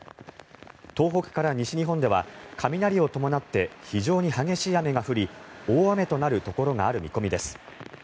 東北から西日本では雷を伴って非常に激しい雨が降り大雨となるところがある見込みです。